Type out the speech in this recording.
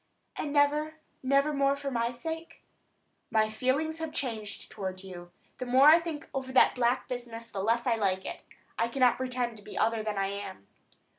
"And never, never more for my sake?" "My feelings have changed toward you. The more I think over that black business the less I like it. I cannot pretend to be other than I am."